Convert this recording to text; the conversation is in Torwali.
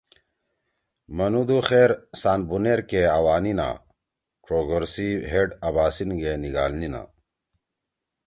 منُودُو خیر سان بونیر کے آوانیِنا، ڇوگور سی ہیڑ آباسین گے نھیِگالینِنا